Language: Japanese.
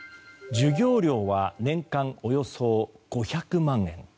授業料は年間およそ５００万円。